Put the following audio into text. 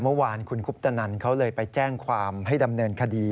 เมื่อวานคุณคุปตนันเขาเลยไปแจ้งความให้ดำเนินคดี